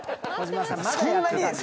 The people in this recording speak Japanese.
そんなに！？